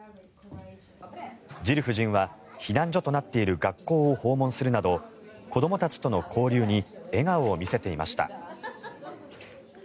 ジル夫人は避難所となっている学校を訪問するなど子どもたちとの交流に笑顔を見せていました。